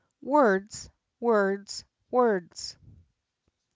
"Words, words, words."